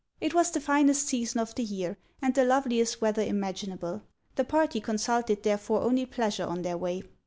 It was the finest season of the year and the loveliest weather imaginable. The party consulted therefore only pleasure on their way.